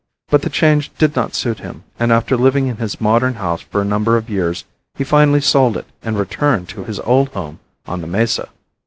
But the change did not suit him, and after living in his modern house for a number of years, he finally sold it and returned to his old home on the mesa.